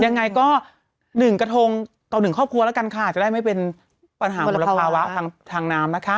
ยังไงก็๑กระทงต่อ๑ครอบครัวแล้วกันค่ะจะได้ไม่เป็นปัญหามลภาวะทางน้ำนะคะ